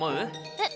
えっ？